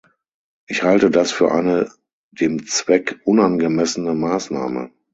Ich halte das für eine dem Zweck unangemessene Maßnahme.